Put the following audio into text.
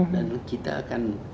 dan kita akan